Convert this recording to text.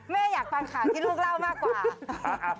แม่อยากฟังข่าวที่ลูกเล่ามากกว่า